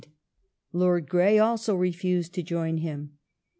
22nd, Lord Grey also refused to join him.